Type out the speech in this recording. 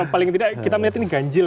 paling tidak kita melihat ini ganjil